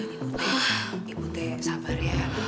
ibu teh ibu teh sabar ya